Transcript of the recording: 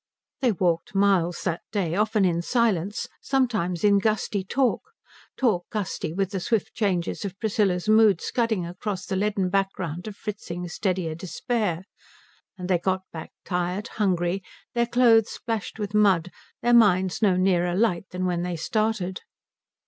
They walked miles that day; often in silence, sometimes in gusty talk talk gusty with the swift changes of Priscilla's mood scudding across the leaden background of Fritzing's steadier despair and they got back tired, hungry, their clothes splashed with mud, their minds no nearer light than when they started.